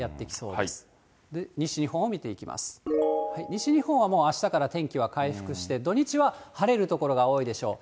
西日本はもうあしたから天気は回復して、土日は晴れる所が多いでしょう。